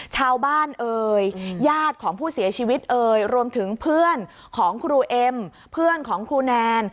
ชาวบ้านเอ่ยญาติของผู้เสียชีวิตเอ่ยรวมถึงเพื่อนของครูเอ็มเพื่อนของครูแนน